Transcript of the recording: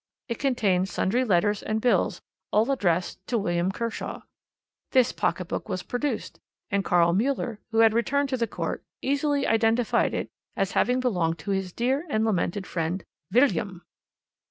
It contained sundry letters and bills, all addressed to William Kershaw. This pocket book was produced, and Karl Müller, who had returned to the court, easily identified it as having belonged to his dear and lamented friend 'Villiam.'